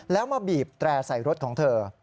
แล้วมาบีบแตร่ใส่รถของเธอ